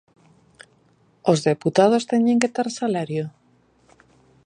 Os deputados teñen que ter salario?